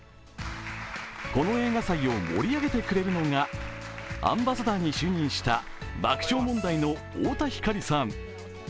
この映画祭を盛り上げてくれるのが、アンバサダーに就任した爆笑問題の太田光さん。